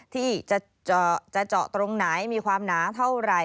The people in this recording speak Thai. ที่จะเจาะตรงไหนมีความหนาเท่าไหร่